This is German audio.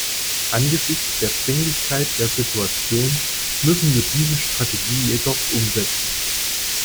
Angesichts der Dringlichkeit der Situation müssen wir diese Strategie jedoch umsetzen.